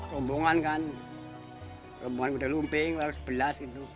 hubungan kan hubungan kuda lumping satu ratus sebelas gitu